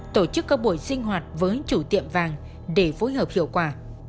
tổ chức các buổi sinh hoạt với chủ tiệm vàng để phối hợp hiệu quả